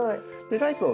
ライトを。